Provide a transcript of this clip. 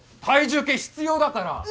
体重計必要だから！